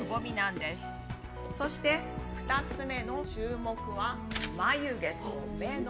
そして２つ目の注目は。